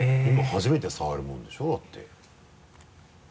初めて触るものでしょ？だって。